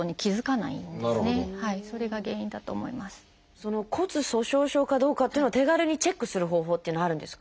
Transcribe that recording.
その骨粗しょう症かどうかっていうのは手軽にチェックする方法っていうのはあるんですか？